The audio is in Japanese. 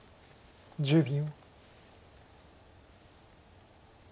１０秒。